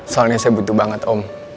soalnya saya butuh banget om